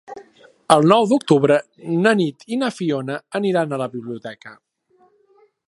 El nou d'octubre na Nit i na Fiona aniran a la biblioteca.